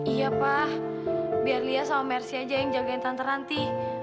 iya pa biar lia dan mercy saja yang menjaga tante ranti